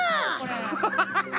ハハハハハ！